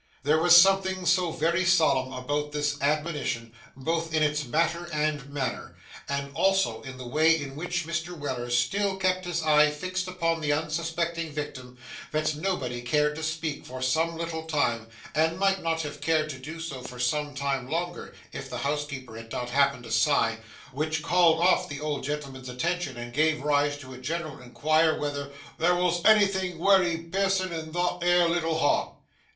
There was something so very solemn about this admonition, both in its matter and manner, and also in the way in which Mr. Weller still kept his eye fixed upon the unsuspecting victim, that nobody cared to speak for some little time, and might not have cared to do so for some time longer, if the housekeeper had not happened to sigh, which called off the old gentleman's attention and gave rise to a gallant inquiry whether 'there wos anythin' wery piercin' in that 'ere little heart?